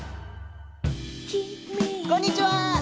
こんにちは。